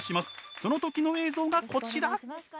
その時の映像がこちら。